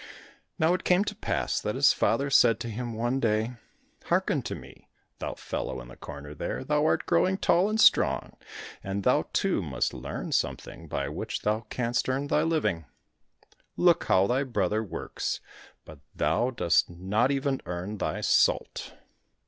Now it came to pass that his father said to him one day "Hearken to me, thou fellow in the corner there, thou art growing tall and strong, and thou too must learn something by which thou canst earn thy living. Look how thy brother works, but thou dost not even earn thy salt."